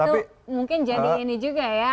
itu mungkin jadi ini juga ya